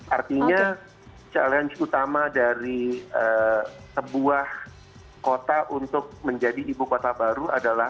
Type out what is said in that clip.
artinya challenge utama dari sebuah kota untuk menjadi ibu kota baru adalah